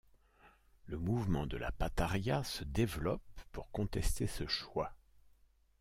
Le mouvement de la pataria se développe pour contester ce choix.